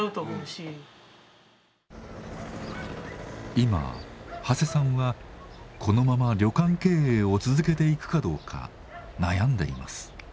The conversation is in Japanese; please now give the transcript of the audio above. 今長谷さんはこのまま旅館経営を続けていくかどうか悩んでいます。